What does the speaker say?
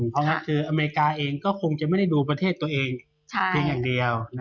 เพราะงั้นคืออเมริกาเองก็คงจะไม่ได้ดูประเทศตัวเองเพียงอย่างเดียว